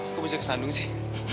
kok bisa kesandung sih